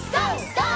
ＧＯ！